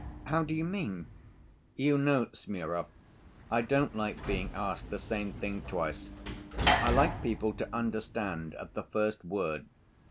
"How do you mean?" "You know, Smurov, I don't like being asked the same thing twice. I like people to understand at the first word.